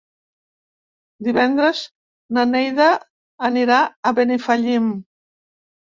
Divendres na Neida anirà a Benifallim.